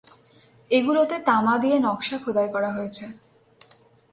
এগুলোতে তামা দিয়ে নকশা খোদাই করা হয়েছে।